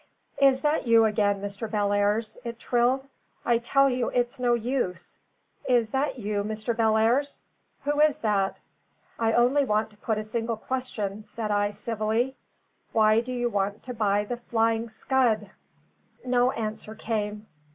"Is that you again, Mr. Bellairs?" it trilled. "I tell you it's no use. Is that you, Mr. Bellairs? Who is that?" "I only want to put a single question," said I, civilly. "Why do you want to buy the Flying Scud?" No answer came.